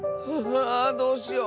ああどうしよう。